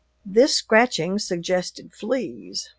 This scratching suggested fleas.